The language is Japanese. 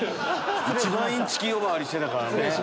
一番インチキ呼ばわりしてたからね。